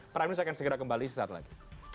prime news akan segera kembali sesaat lagi